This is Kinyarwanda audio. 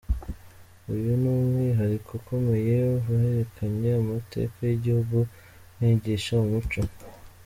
Uyu ni umwihariko ukomeye, mwerekanye amateka y’igihugu, mwigisha umuco.